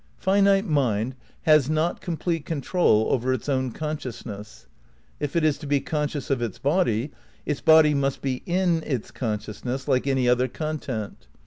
Finite mind has not complete control over its own consciousness. If it is to be conscious of its body, its body must be "in" its consciousness like any other con tent.